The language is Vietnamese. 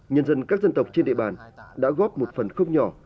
nhân dân các dân tộc trên địa bàn đã góp một phần không nhỏ